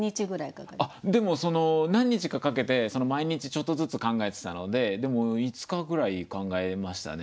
でも何日かかけて毎日ちょっとずつ考えてたのででも５日ぐらい考えましたね。